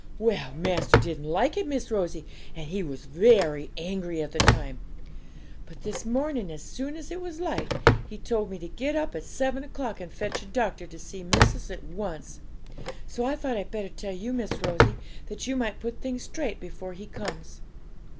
Well, master didn't like it, Miss Rosie, and he was very angry at the time; but this morning, as soon as it was light, he told me to get up at seven o'clock and fetch a doctor to see missis at once. So I thought I'd better tell you, Miss Rosie, that you might put things straight before he comes.'